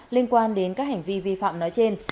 liên quan đến các hành vi vi phạm nói trên